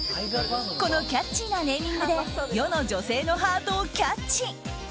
このキャッチーなネーミングで世の女性のハートをキャッチ！